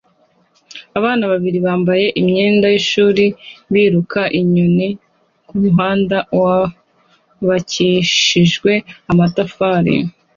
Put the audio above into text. Abana babiri bambaye imyenda yishuri biruka inyoni kumuhanda wubakishijwe amatafari